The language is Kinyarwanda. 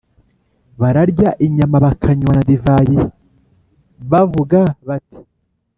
bararya inyama, bakanywa na divayi, bavuga bati